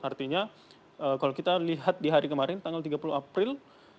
artinya kalau kita lihat di hari kemarin tanggal tiga puluh april dua ribu dua puluh empat